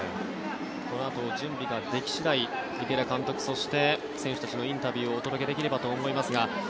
このあと準備ができ次第池田監督そして選手たちのインタビューをお届けできればと思いますが